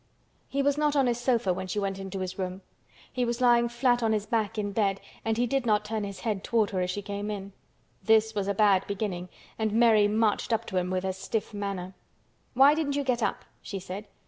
He was not on his sofa when she went into his room. He was lying flat on his back in bed and he did not turn his head toward her as she came in. This was a bad beginning and Mary marched up to him with her stiff manner. "Why didn't you get up?" she said.